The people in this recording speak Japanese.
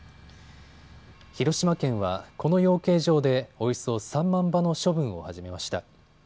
広島県はこの養鶏場でおよそ３万羽の処分を始めました。